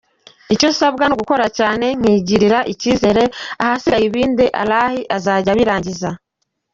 Icyo nsabwa ni ugukora cyane nkigirira ikizere, ahasigaye ibindi Allah azajya abirangiza.